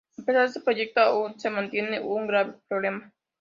A pesar de este proyecto aún se mantiene un grave problema.